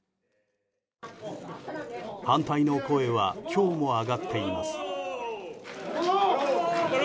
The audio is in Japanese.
反対の声は今日も上がっています。